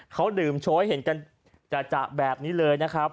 เขาดื่มโชว์ให้เห็นกันจะแบบนี้เลยนะครับ